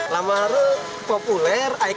lamaru populer ikonik